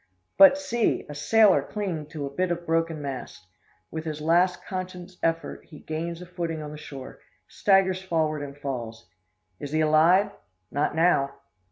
But, see! a sailor clinging to a bit of broken mast! With his last conscious effort he gains a footing on the shore, staggers forward, and falls. Is he alive? Not now!